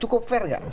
cukup fair nggak